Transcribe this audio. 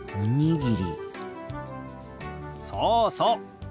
そうそう。